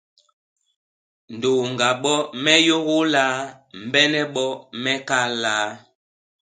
Ndonga bo "me yôgôô laa ?", Mbene bo "me kal laa ?"